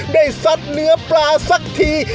ได้สัดเนื้อปลาสักที